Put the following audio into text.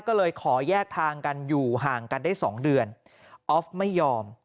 ก็เลยขอแยกทางกันอยู่ห่างกันได้สองเดือนออฟไม่ยอม